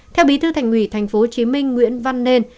theo bí thư thành ủy tp hcm nguyễn văn nên